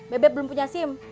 bebe belum punya sim